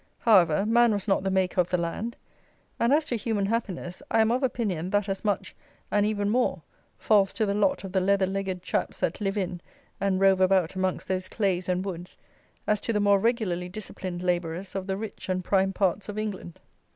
However, man was not the maker of the land; and, as to human happiness, I am of opinion, that as much, and even more, falls to the lot of the leather legged chaps that live in and rove about amongst those clays and woods as to the more regularly disciplined labourers of the rich and prime parts of England.